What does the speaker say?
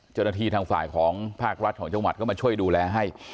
เจ้าหน้าที่ทางฝ่ายของภาครัฐของจังหวัดก็มาช่วยดูแลให้